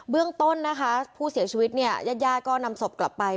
เรื่องต้นนะคะผู้เสียชีวิตเนี่ยญาติญาติก็นำศพกลับไป